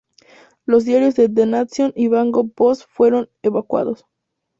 Los diario The Nation y Bangkok Post fueron evacuados.